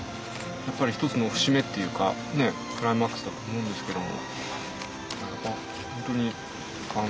やっぱり一つの節目っていうかねクライマックスだと思うんですけども。